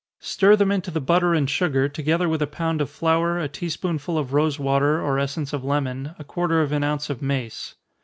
Stir them into the butter and sugar, together with a pound of flour, a tea spoonful of rosewater, or essence of lemon, a quarter of an ounce of mace.